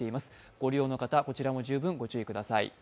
ご利用の方、こちらもご注意ください。